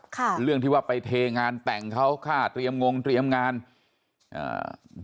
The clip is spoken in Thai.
ค่ะเรื่องที่ว่าไปเทงานแต่งเขาค่าเตรียมงงเตรียมงานอ่า